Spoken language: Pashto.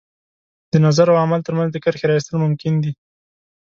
د نظر او عمل تر منځ د کرښې را ایستل ممکن دي.